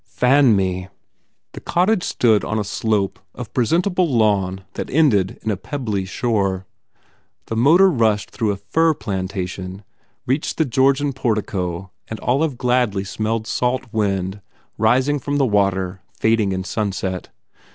Fan me!" The cottage stood on a slope of presentable lawn that ended in a pebbly shore. The motor rushed through a fir plantation, reached the Georgian portico and Olive gladly smelled salt wind rising from the water fading in sunset.